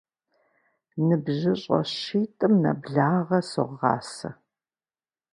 НыбжьыщӀэ щитӏым нэблагъэ согъасэ.